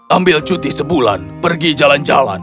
ambil cuti sebulan pergi jalan jalan